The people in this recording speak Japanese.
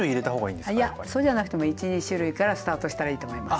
いやそうじゃなくても１２種類からスタートしたらいいと思います。